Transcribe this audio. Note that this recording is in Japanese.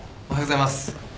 おはようございます。